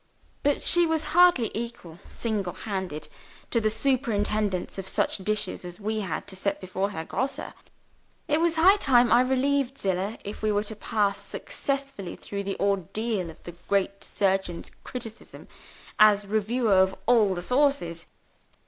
But she was hardly equal, single handed, to the superintendence of such dishes as we had to set before Herr Grosse. It was high time I relieved Zillah if we were to pass successfully through the ordeal of the great surgeon's criticism, as reviewer of all the sauces.